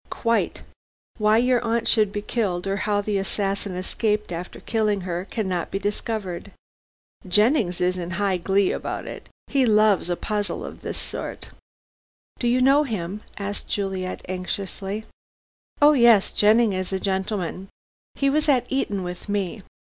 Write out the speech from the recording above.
"Quite. Why your aunt should be killed, or how the assassin escaped, after killing her, cannot be discovered. Jennings is in high glee about it. He loves a puzzle of this sort." "Do you know him?" asked Juliet anxiously. "Oh, yes. Jennings is a gentleman. He was at Eton with me.